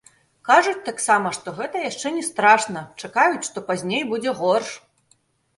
Кажуць таксама, што гэта яшчэ не страшна, чакаюць, што пазней будзе горш.